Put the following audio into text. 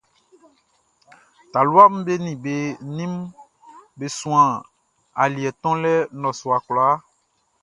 Taluaʼm be nin be ninʼm be suan aliɛ tonlɛ nnɔsua kwlaa.